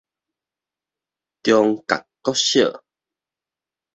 中角國小